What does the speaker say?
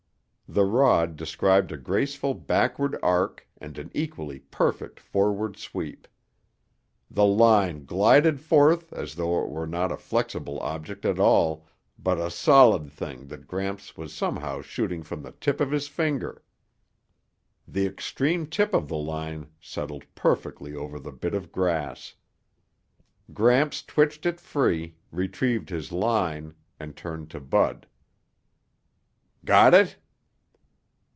The rod described a graceful backward arc and an equally perfect forward sweep. The line glided forth as though it was not a flexible object at all, but a solid thing that Gramps was somehow shooting from the tip of his finger. The extreme tip of the line settled perfectly over the bit of grass. Gramps twitched it free, retrieved his line, and turned to Bud. "Got it?"